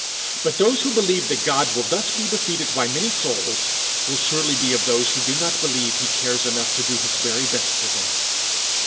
But those who believe that God will thus be defeated by many souls, must surely be of those who do not believe he cares enough to do his very best for them.